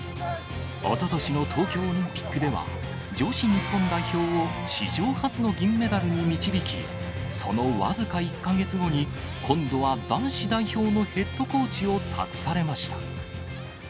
おととしの東京オリンピックでは、女子日本代表を史上初の銀メダルに導き、その僅か１か月後に、今度は男子代表のヘッドコーチを託されました。